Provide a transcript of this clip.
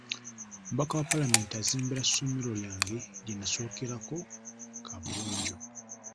Omubaka wa palamenti azimbira ssomero lyange lye nnasomerako kaabuyonjo.